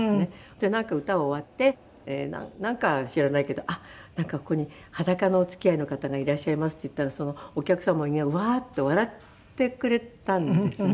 で歌終わってなんか知らないけど「ここに裸のお付き合いの方がいらっしゃいます」って言ったらお客様がみんなワーッと笑ってくれたんですよね。